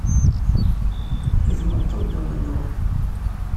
I tmeṭṭut d umennuɣ.